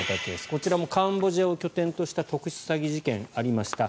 こちらもカンボジアを拠点とした特殊詐欺事件、ありました。